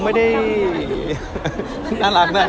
มันไม่ได้รีบครับ